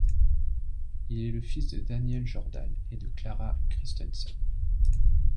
Il est le fils de Daniel Jordal et de Clara Christensen.